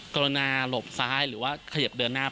รณาหลบซ้ายหรือว่าเขยิบเดินหน้า